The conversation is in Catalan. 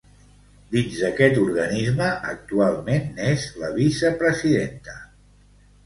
Dins d'aquest organisme, actualment n'és la vicepresidenta.